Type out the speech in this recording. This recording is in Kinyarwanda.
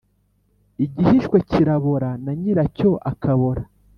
Igihiswe kirabora na nyiracyo akabora.